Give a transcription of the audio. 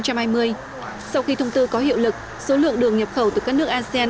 sau khi thông tư có hiệu lực số lượng đường nhập khẩu từ các nước asean